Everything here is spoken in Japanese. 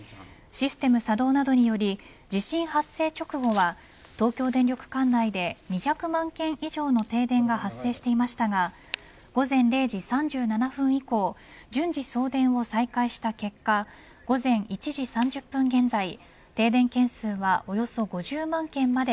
システム作動などにより地震発生直後は東京電力管内で２００万軒以上の停電が発生していましたが午前０時３７分以降順次、送電を再開した結果午前１時３０分現在